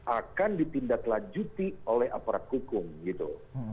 akan ditindaklanjuti oleh aparat hukum gitu